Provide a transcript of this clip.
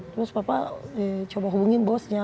terus papa coba hubungin bosnya